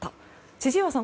千々岩さん